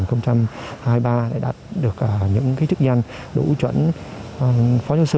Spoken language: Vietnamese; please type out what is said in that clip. những cái chức danh đủ kỹ năng để đạt được những cái chức danh đủ kỹ năng để đạt được những cái chức danh đủ